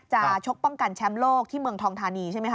ชกป้องกันแชมป์โลกที่เมืองทองธานีใช่ไหมค